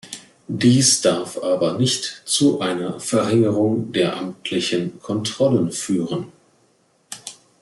Dies darf aber nicht zu einer Verringerung der amtlichen Kontrollen führen.